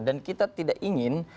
dan kita tidak ingin